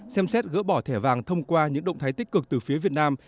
xem xét gỡ bỏ thẻ vàng thông qua những động thái tích cực từ phía việt nam